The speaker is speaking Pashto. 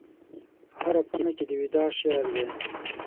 په هره پاڼه کې د وداع شعر دی